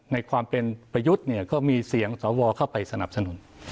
ในความเป็นประยุทธ์เนี่ยก็มีเสียงสวเข้าไปสนับสนุน